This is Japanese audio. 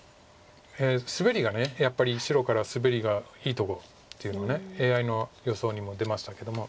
スベリがやっぱり白からスベリがいいところっていうのをＡＩの予想にも出ましたけども。